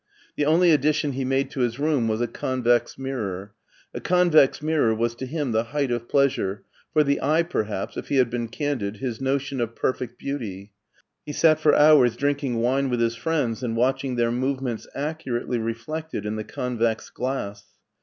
The only addition he made to his room was a convex mir ror ; a convex mirror was to him the height of pleasure, for the eye, perhaps, if he had been eandid, his notion of perfect beauty. He sat for hours drinking wine with his friends and watching their movements accu rately reflected in the convex glass.